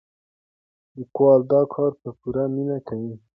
لیکوال دا کار په پوره مینه کوي.